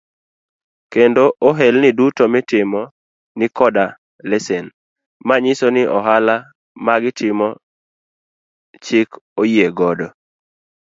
Kendo ohelni duto mitimo ni koda lesen manyiso ni ohala magitimo chik oyie godo.